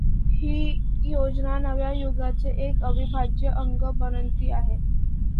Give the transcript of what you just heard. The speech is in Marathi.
ही योजना नव्या युगाचे एक अविभाज्य अंग बनंती आहे.